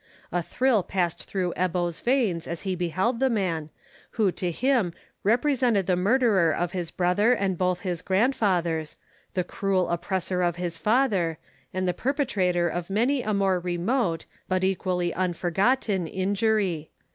A thrill passed through Ebbo's veins as he beheld the man who to him represented the murderer of his brother and both his grandfathers, the cruel oppressor of his father, and the perpetrator of many a more remote, but equally unforgotten, injury.